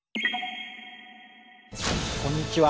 こんにちは。